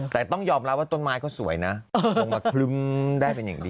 แต่ต้องยอมรับว่าต้นไม้ก็สวยนะลงมาคลึ้มได้เป็นอย่างดี